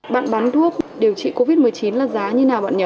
bạn bán thuốc điều trị covid một mươi chín là giá như thế nào bạn nhỉ